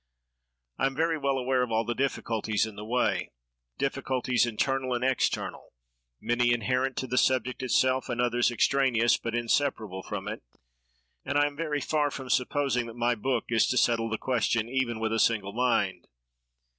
I am very well aware of all the difficulties in the way—difficulties internal and external,—many inherent to the subject itself, and others extraneous but inseparable from it; and I am very far from supposing that my book is to settle the question even with a single mind.